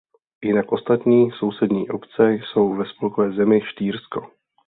Jinak ostatní sousední obce jsou ve spolkové zemi Štýrsko.